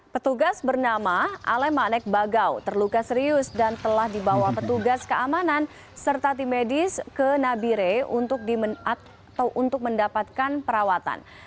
petugas bernama alemanek bagau terluka serius dan telah dibawa petugas keamanan serta tim medis ke nabire untuk mendapatkan perawatan